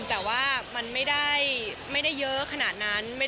แต่ว่ามันไม่ได้เยอะขนาดนั้น